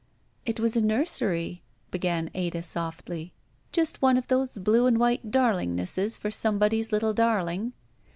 "It was a nursery," began Ada, softly. "Just one of those blue and white darlingnesses for some body's little darling."